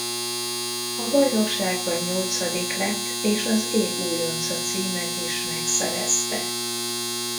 A bajnokságban nyolcadik lett és az Év Újonca címet is megszerezte.